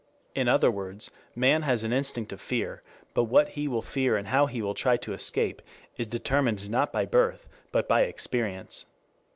In other words, man has an instinct of fear, but what he will fear and how he will try to escape, is determined not from birth, but by experience.